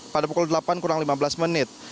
pada pukul delapan kurang lima belas menit